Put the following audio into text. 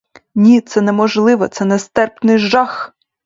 Ні, це — неможлива, це — нестерпний жах!